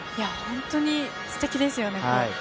本当にすてきですよね。